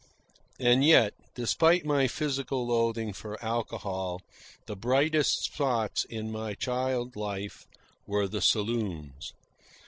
And yet, despite my physical loathing for alcohol, the brightest spots in my child life were the saloons.